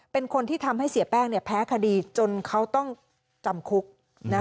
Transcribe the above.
เป็นคนที่ทำให้เสียแป้งแพ้คดีจนเขาต้องจำคุก